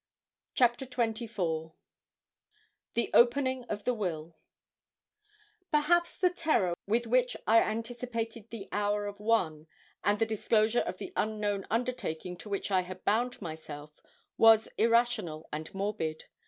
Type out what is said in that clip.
CHAPTER XXIV THE OPENING OF THE WILL Perhaps the terror with which I anticipated the hour of one, and the disclosure of the unknown undertaking to which I had bound myself, was irrational and morbid.